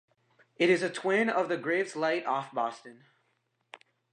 It is a twin of the Graves Light off Boston.